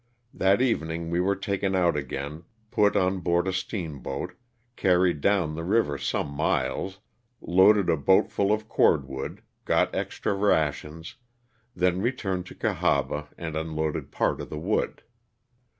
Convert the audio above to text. That evening we were taken out again, put on board a steamboat, carried down the river some miles, loaded a boat full of cord wood, got extra rations, then returned to Oahaba and unloaded part of the wood.